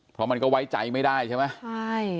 เพราะมันก็ไว้ใจไม่ได้ใช่ไหมใช่